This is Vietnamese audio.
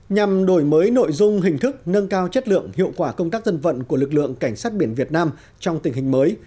nhằm đổi mới nội dung hình thức nâng cao chất lượng hiệu quả công tác dân vận của lực lượng cảnh sát biển việt nam trong tình hình mới